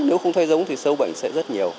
nếu không thay giống thì sâu bệnh sẽ rất nhiều